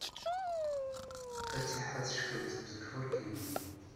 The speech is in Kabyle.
Fatiḥa teckunṭeḍ deg ufurk-nni.